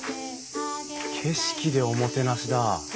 景色でおもてなしだ。